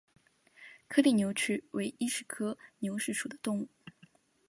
颗粒牛蛭为医蛭科牛蛭属的动物。